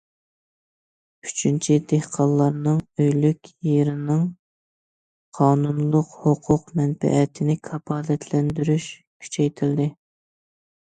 ئۈچىنچى، دېھقانلارنىڭ ئۆيلۈك يېرىنىڭ قانۇنلۇق ھوقۇق- مەنپەئەتىنى كاپالەتلەندۈرۈش كۈچەيتىلدى.